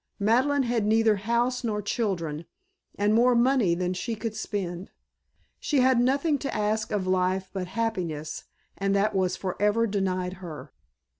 Madeleine had neither house nor children, and more money than she could spend. She had nothing to ask of life but happiness and that was for ever denied her.